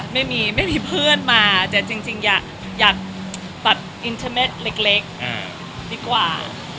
ไม่มีเพื่อนมาแต่จริงอยากอินเทอร์เมตเล็กดีกว่า